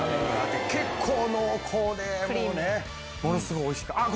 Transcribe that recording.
ものすごいおいしかあっ